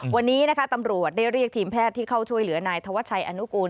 วันนี้นะคะตำรวจได้เรียกทีมแพทย์ที่เข้าช่วยเหลือนายธวัชชัยอนุกูล